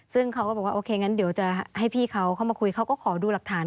ซึ่งเขาก็บอกว่าโอเคงั้นเดี๋ยวจะให้พี่เขาเข้ามาคุยเขาก็ขอดูหลักฐาน